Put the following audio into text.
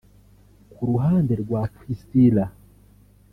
Ku ruhande rwa Priscillah